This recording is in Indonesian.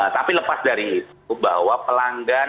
tapi lepas dari itu bahwa pelanggan